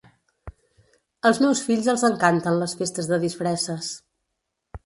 Als meus fills els encanten les festes de disfresses